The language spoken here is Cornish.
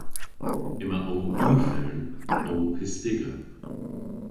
Yma ow ufern ow pystiga.